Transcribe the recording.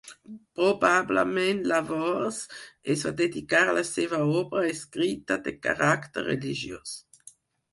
Probablement llavors es va dedicar a la seva obra escrita de caràcter religiós.